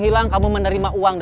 dia akan pun praise tak ada